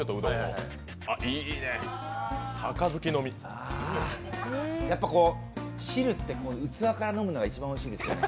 あー、やっぱ汁って器から飲むのが一番おいしいですよね。